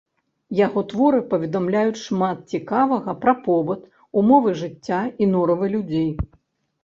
Яго творы паведамляюць шмат цікавага пра побыт, умовы жыцця і норавы людзей.